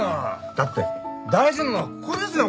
だって大事なのはここですよ！